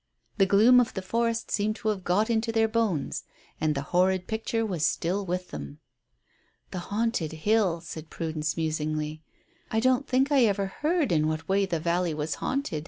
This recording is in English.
The gloom of the forest seemed to have got into their bones, and the horrid picture was still with them. "The Haunted Hill," said Prudence musingly. "I don't think I ever heard in what way the valley was haunted.